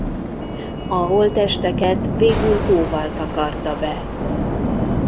A holttesteket végül hóval takarta be.